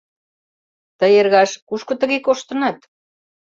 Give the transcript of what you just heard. Тый, эргаш, кушко тыге коштынат?